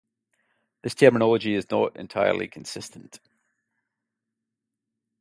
This terminology is not entirely consistent.